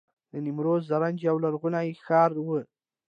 د نیمروز زرنج یو لرغونی ښار و